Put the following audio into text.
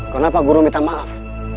kenapa guru minta maaf